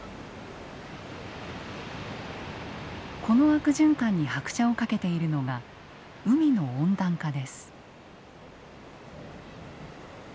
この悪循環に拍車をかけているのが海の温暖化です。